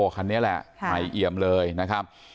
คันนี้แหละใหม่เอี่ยมเลยนะครับ